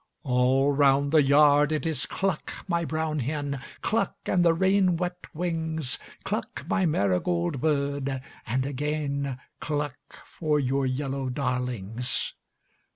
All round the yard it is cluck, my brown hen, Cluck, and the rain wet wings, Cluck, my marigold bird, and again Cluck for your yellow darlings.